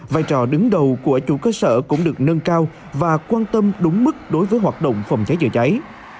vai trò đứng đầu của chủ cơ sở cũng được nâng cao và quan tâm đúng mức đối với hoạt động phòng cháy chữa cháy